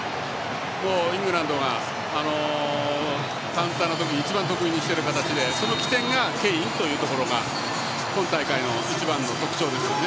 イングランドがカウンターの時に一番得意にしている形でその起点がケインというところが今大会の一番の特徴ですよね。